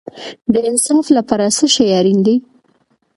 د انصاف لپاره څه شی اړین دی؟